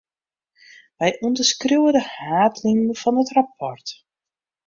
Wy ûnderskriuwe de haadlinen fan it rapport.